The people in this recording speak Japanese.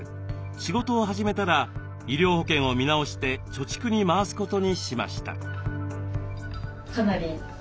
仕事を始めたら医療保険を見直して貯蓄に回すことにしました。